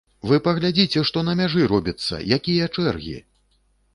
Вы паглядзіце, што на мяжы робіцца, якія чэргі!